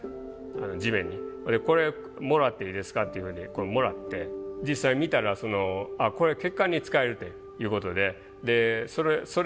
これもらっていいですかっていうふうにこれもらって実際見たらそのこれ血管に使えるっていうことででそれから３５年間使い続けてます